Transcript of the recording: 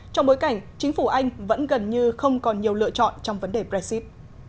trong bối cảnh chính phủ anh vẫn gần như không còn nhiều lựa chọn trong vấn đề brexit